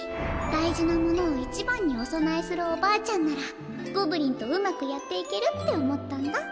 大事なものをいちばんにお供えするおばあちゃんならゴブリンとうまくやっていけるって思ったんだ。